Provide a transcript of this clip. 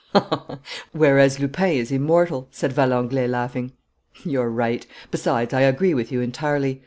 "Whereas Lupin is immortal," said Valenglay, laughing. "You're right. Besides, I agree with you entirely.